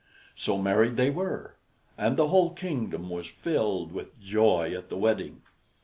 So married they were, and the whole kingdom was filled with joy at the wedding.